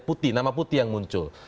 putih nama putih yang muncul